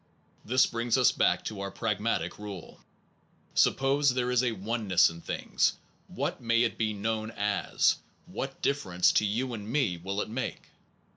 124 THE ONE AND THE MANY brings us back to our pragmatic rule: Suppose there is a oneness in things, what may it be known as? What differences to you and me will it make?